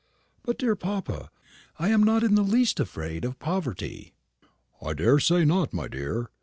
"But, dear papa, I am not in the least afraid of poverty." "I daresay not, my dear.